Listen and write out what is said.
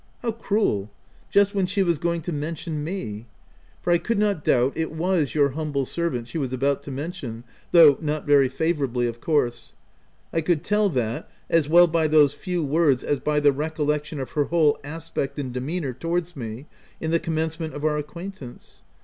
How cruel — just when she was going to men tion me ! for I could not doubt it was your humble servant she was about to mention, though not very favourably of course — I could tell that, as well by those few words as by the recollection of her whole aspect and demeanour towards me in the commencement of our ac quaintance.